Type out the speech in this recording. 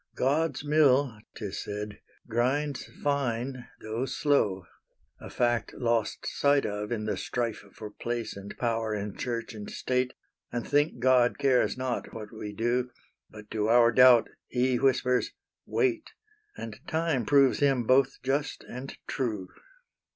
"God's mill," 'tis said, "grinds fine, tho' slow," A fact lost sight of in the strife For place and power in Church and State, And think God cares not what we do; But to our doubt he whispers "wait," And time proves Him both just and true.